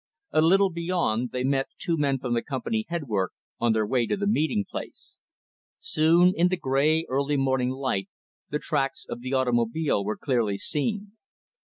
A little beyond, they met two men from the Company Head Work, on their way to the meeting place. Soon, in the gray, early morning light, the tracks of the automobile were clearly seen.